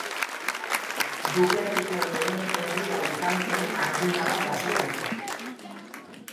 Dukerriko lehen herria izan zen argi-indarra jasotzen.